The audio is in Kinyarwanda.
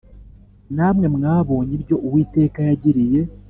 Namwe mwabonye ibyo Uwiteka yagiriye